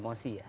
sebuah emosi ya